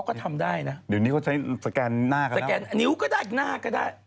ก็ทำได้นะเดี๋ยวนี้เขาใช้สแกนหน้ากันสแกนนิ้วก็ได้หน้าก็ได้